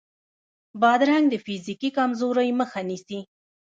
بادرنګ د فزیکي کمزورۍ مخه نیسي.